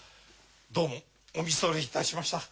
どうもお見それいたしました。